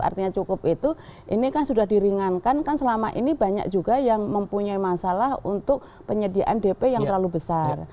artinya cukup itu ini kan sudah diringankan kan selama ini banyak juga yang mempunyai masalah untuk penyediaan dp yang terlalu besar